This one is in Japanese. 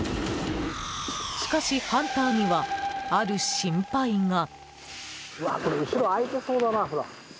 しかし、ハンターにはある心配が。